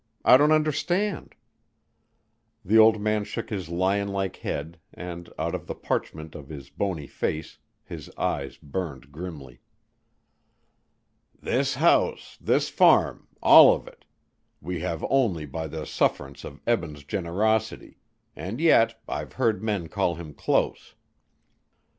I don't understand." The old man shook his lion like head and, out of the parchment of his bony face, his eyes burned grimly. "This house this farm all of it we have only by the sufferance of Eben's generosity, and yet I've heard men call him close."